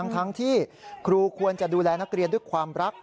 ทั้งที่ครูควรจะดูแลนักเรียนด้วยความรัก